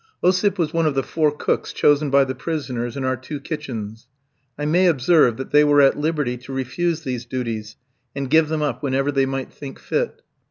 Osip was one of the four cooks chosen by the prisoners in our two kitchens. I may observe that they were at liberty to refuse these duties, and give them up whenever they might think fit.